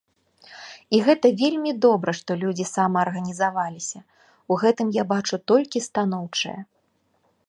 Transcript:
І гэта вельмі добра, што людзі самаарганізаваліся, у гэтым я бачу толькі станоўчае.